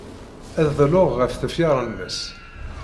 Ad dluɣ ɣef tefyar-nnes.